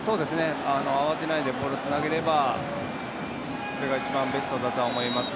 慌てないでボールつなげればこれが一番ベストだとは思います。